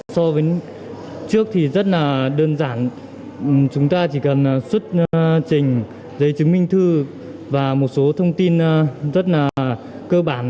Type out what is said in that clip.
so với trước thì rất là đơn giản chúng ta chỉ cần xuất trình giấy chứng minh thư và một số thông tin rất là cơ bản